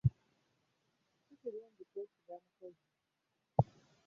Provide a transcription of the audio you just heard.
Sikirungi kwesiga mukozi.